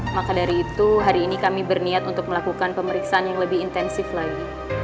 maka dari itu hari ini kami berniat untuk melakukan pemeriksaan yang lebih intensif lagi